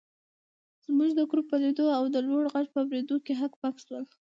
زموږ د ګروپ په لیدو او د لوړ غږ په اورېدو هک پک شول.